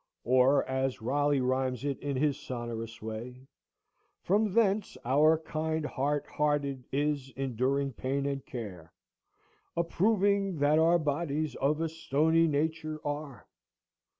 Or, as Raleigh rhymes it in his sonorous way,— "From thence our kind hard hearted is, enduring pain and care, Approving that our bodies of a stony nature are."